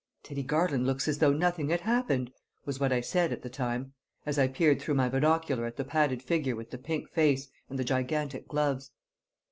"Teddy Garland looks as though nothing had happened," was what I said at the time, as I peered through my binocular at the padded figure with the pink face and the gigantic gloves.